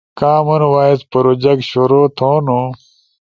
کامن وائس پروجیکٹ شروع تھونو۔